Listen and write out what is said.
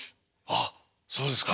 あっそうですか。